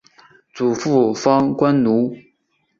祖父方关奴。